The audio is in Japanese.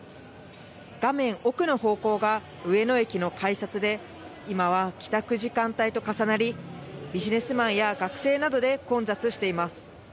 画面奥の方向が上野駅の改札で今は帰宅時間帯と重なりビジネスマンや学生などで混雑しています。